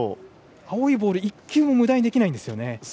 青いボールを１球もむだにできないんですよね。